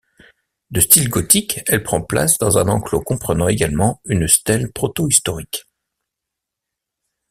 De style gothique, elle prend place dans un enclos comprenant également une stèle protohistorique.